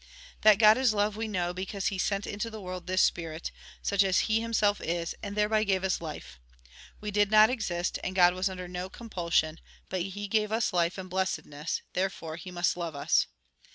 That God is love, we know because He sent into the world this Spirit, such as He Himself is, and thereby gave us life. We did not exist, and God was under no compulsion, but He gave us life and blessedness ; therefore He must love us.